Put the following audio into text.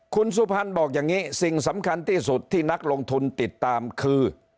คุณสุพรรณบอกอย่างนี้สิ่งสำคัญที่สุดที่นักลงทุนติดตามคือ